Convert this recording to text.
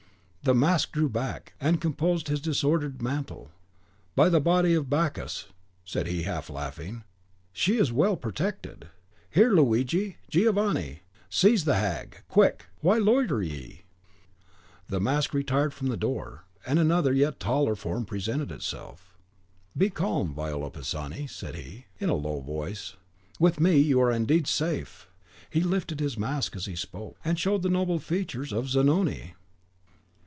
The mask drew back, and composed his disordered mantle. "By the body of Bacchus!" said he, half laughing, "she is well protected. Here, Luigi, Giovanni! seize the hag! quick! why loiter ye?" The mask retired from the door, and another and yet taller form presented itself. "Be calm, Viola Pisani," said he, in a low voice; "with me you are indeed safe!" He lifted his mask as he spoke, and showed the noble features of Zanoni.